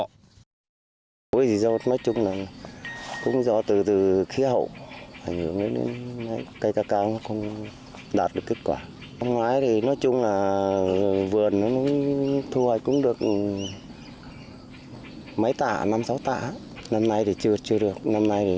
các vườn ca cao trên địa bàn tỉnh bình phước đều bị ảnh hưởng nghiêm trọng bởi thời tiết bất thường